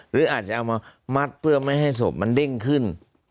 หรืออาจจะเอามามัดเพื่อไม่ให้ศพมันเด้งขึ้น